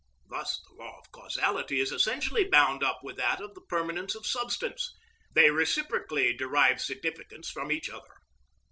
Thus the law of causality is essentially bound up with that of the permanence of substance; they reciprocally derive significance from each other.